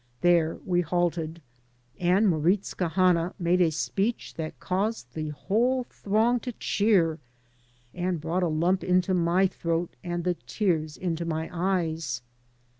There we halted, and Moritz Cahana made a speech that caused the whole throng to cheer and brought a lump into Iny throat and the tears into my eyes.